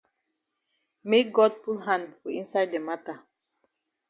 Make God put hand for inside the mata.